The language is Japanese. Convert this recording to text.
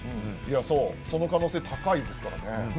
その可能性高いですからね。